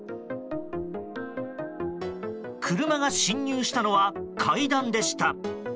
車が進入したのは階段でした。